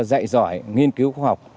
dạy giỏi nghiên cứu khoa học